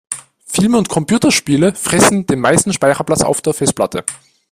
Filme und Computerspiele fressen den meisten Speicherplatz auf der Festplatte.